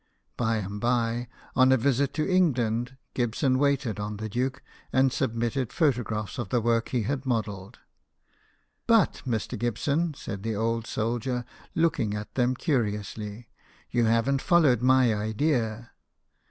By and by, on a visit to England, Gibson waited on the duke, and submitted photographs of the work he had modelled. " But, Mr. Gibson," said the old soldier, looking at them curiously, " you haven't followed my idea."